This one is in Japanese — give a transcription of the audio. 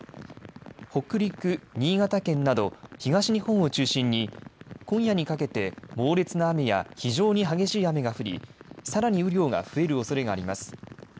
北陸、新潟県など東日本を中心に今夜にかけて猛烈な雨や非常に激しい雨が降り、さらに雨量が増えるおそれがあります。